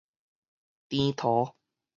甜桃